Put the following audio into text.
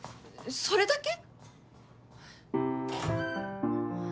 それだけ？